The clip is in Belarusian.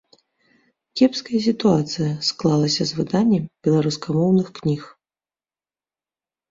Кепская сітуацыя склалася з выданнем беларускамоўных кніг.